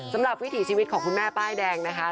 วิถีชีวิตของคุณแม่ป้ายแดงนะคะ